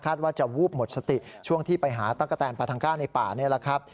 คาดว่าจะวูบหมดสติช่วงที่ไปหาตั้งกระแทนประทังฆาตในป่า